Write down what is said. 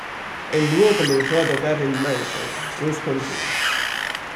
El dúo comenzó a tocar en Madison, Wisconsin.